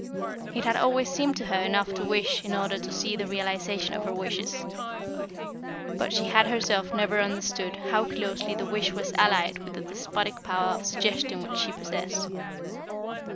It had always seemed to her enough to wish in order to see the realisation of her wishes. But she had herself never understood how closely the wish was allied with the despotic power of suggestion which she possessed.